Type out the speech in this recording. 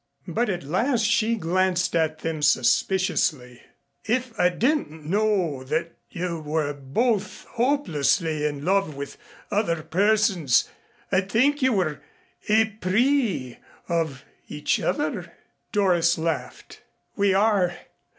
But at last she glanced at them suspiciously. "If I didn't know that you were both hopelessly in love with other persons, I'd think you were épris of each other." Doris laughed. "We are.